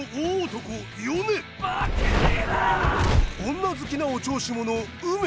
女好きのお調子者ウメ。